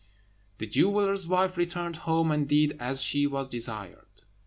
The jeweller's wife returned home, and did as she was desired.